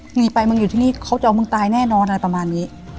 หนีไปมึงอยู่ที่นี่เขาจะเอามึงตายแน่นอนอะไรประมาณนี้